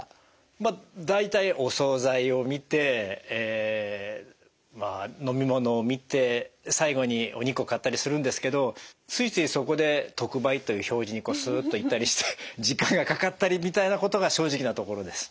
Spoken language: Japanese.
まあ大体お総菜を見て飲み物を見て最後にお肉を買ったりするんですけどついついそこで特売という表示にすっと行ったりして時間がかかったりみたいなことが正直なところです。